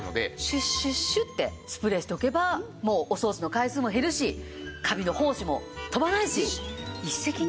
シュッシュッシュッてスプレーしておけばもうお掃除の回数も減るしカビの胞子も飛ばないし。